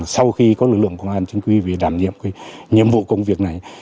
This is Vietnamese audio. sau khi có lực lượng công an chính quy về đảm nhiệm nhiệm vụ công việc này